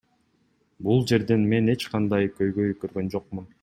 Бул жерден мен эч кандай көйгөй көргөн жокмун.